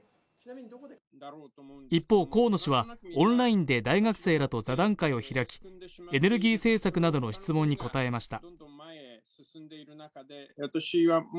一方、河野氏はオンラインで大学生らと座談会を開きエネルギー政策などの質問に答えました。